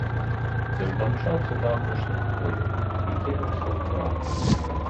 Ён дамчаўся да апошніх хвояў і кінуўся ўправа.